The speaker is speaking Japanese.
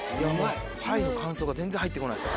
パイの感想が全然入って来ない。